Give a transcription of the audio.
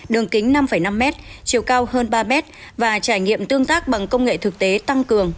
đường kính năm năm m chiều cao hơn ba m và trải nghiệm tương tác bằng công nghệ thực tế tăng cường